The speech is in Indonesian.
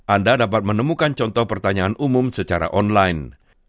anda dapat menemukan contoh pertanyaan umum secara online